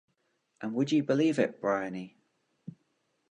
And would you believe it, Bryony?